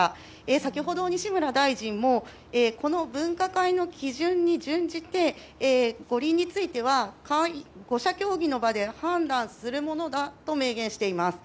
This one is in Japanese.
先ほど西村大臣もこの分科会の基準に準じて五輪については５者協議の場で判断するものだと明言しています。